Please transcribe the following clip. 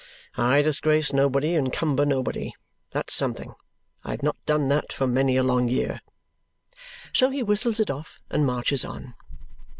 I disgrace nobody and cumber nobody; that's something. I have not done that for many a long year!" So he whistles it off and marches on.